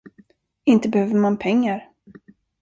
Inte behöver man pengar.